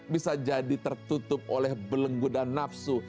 bisa jadi tertutup oleh belengguda nafsu